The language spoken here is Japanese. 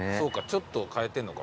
ちょっと変えてんのか。